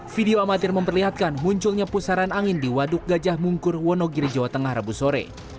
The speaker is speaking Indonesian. video amatir memperlihatkan munculnya pusaran angin di waduk gajah mungkur wonogiri jawa tengah rabu sore